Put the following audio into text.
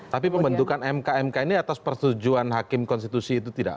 tapi pembentukan mk mk ini atas persetujuan hakim konstitusi itu tidak